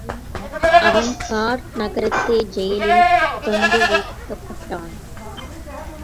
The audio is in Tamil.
அவன் கார்க் நகரத்து ஜெயிலில் கொண்டுவைக்கப்பட்டான்.